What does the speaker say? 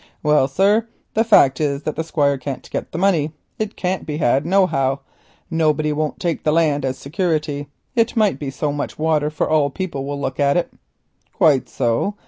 "Well, sir, the fact is that the Squire can't git the money. It can't be had nohow. Nobody won't take the land as security. It might be so much water for all folk to look at it." "Quite so.